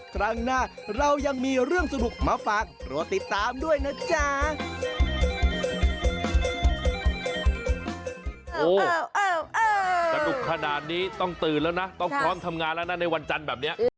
ครั้งหน้าเรายังมีเรื่องสนุกมาฝากรอติดตามด้วยนะจ๊ะ